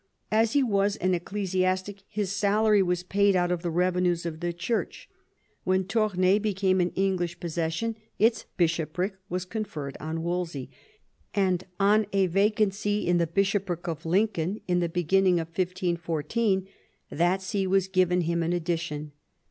As he was an ecclesiastic his salary was paid out of the revenues of the Church. When Toumai became an English possession its bishopric was conferred on Wolsey, and on a vacancy in the bishopric of Lincoln in the beginning of 1514 that see was given him in addition.